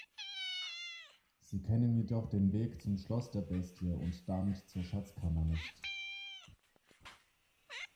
Sie kennen jedoch den Weg zum Schloss der Bestie und damit zur Schatzkammer nicht.